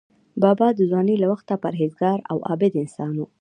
بابا د ځوانۍ له وخته پرهیزګار او عابد انسان و.